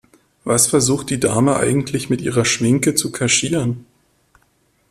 Was versucht die Dame eigentlich mit ihrer Schminke zu kaschieren?